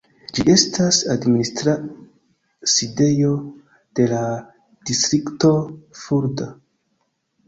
Ĝi estas administra sidejo de la distrikto Fulda.